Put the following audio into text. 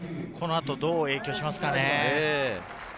この後、どう影響しますかね。